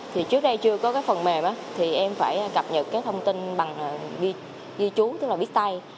trước đây chưa có phần mềm em phải cập nhật thông tin bằng ghi trú tức là biết tay